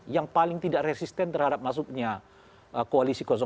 yang paling tidak resisten terhadap masuknya koalisi dua